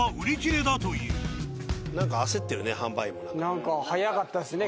何か早かったですね